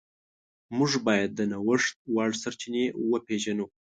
موږ باید د نوښت وړ سرچینې وپیژنو.